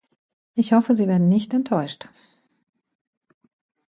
Ich hoffe, Sie werden nicht enttäuscht.